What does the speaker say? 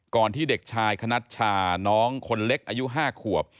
ที่เด็กชายคณัชชาน้องคนเล็กอายุ๕ขวบ